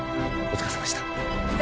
お疲れさまでした。